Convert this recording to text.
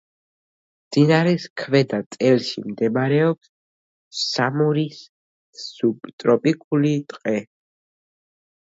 მდინარის ქვედა წელში მდებარეობს სამურის სუბტროპიკული ტყე.